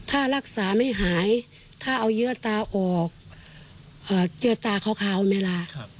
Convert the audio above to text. ถ้ารักษาไม่หายถ้าเอาเยื้อตาออกเอ่อเยื้อตาคาวเมละครับ